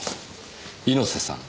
猪瀬さん